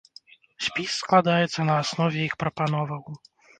Спіс складаецца на аснове іх прапановаў.